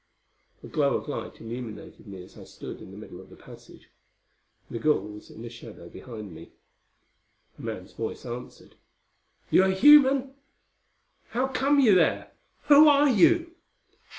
A glow of light illuminated me as I stood in the middle of the passage; Migul was in a shadow behind me. A man's voice answered, "You are a human? How come you there? Who are you?"